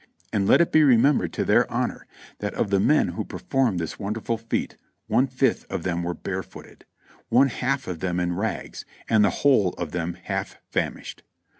And let it be remembered to their honor, that of the men who performed this wonderful feat one fifth of them were barefooted; one half of them in rags, and the whole of them half famished.